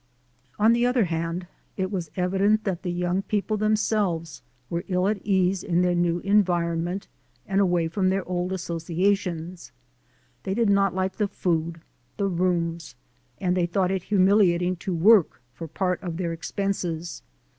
On the other hand, it was evident that the young people themselves were ill at ease in their new en vironment and away from their old associations. They did not like the food, the rooms, and they thought it humiliating to work for part of thei? expenses.